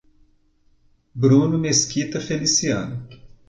Bruno Mesquita Feliciano